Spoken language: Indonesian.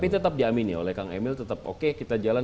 tapi tetap diamin ya oleh kang emil tetap oke kita jalan